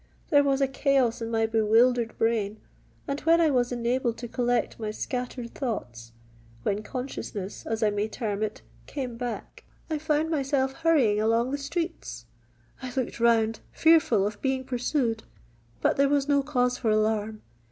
There was a chaos in my bewildered brain; and when I was enabled to collect my scattered thoughts—when consciousness, as I may term it, came back, I found myself hurrying along the streets. I looked round, fearful of being pursued; but there was no cause for alarm.